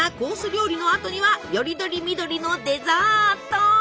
料理のあとにはより取り見取りのデザート！